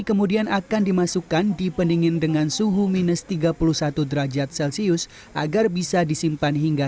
kemudian akan dimasukkan di pendingin dengan suhu minus tiga puluh satu derajat celcius agar bisa disimpan hingga